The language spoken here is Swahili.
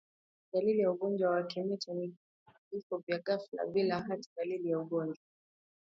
Dalili ya ugonjwa wa kimeta ni vifo vya ghafla bila hata dalili ya ugonjwa